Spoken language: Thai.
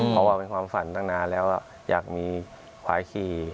เพราะว่าเป็นความฝันตั้งนานแล้วอยากมีควายขี่